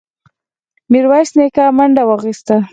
ميرويس نيکه منډه واخيسته.